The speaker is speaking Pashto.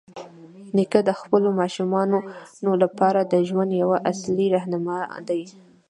نیکه د خپلو ماشومانو لپاره د ژوند یوه اصلي راهنما دی.